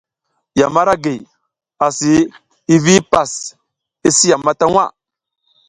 Yam ara gi, asi, hi vi hipas i si yama ta waʼa.